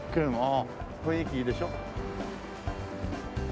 雰囲気いいでしょ。